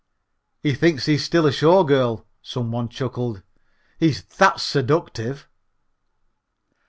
"He thinks he's still a show girl," some one chuckled, "he's that seductive."